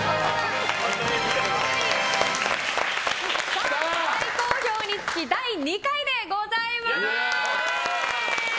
さあ、大好評につき第２回でございます！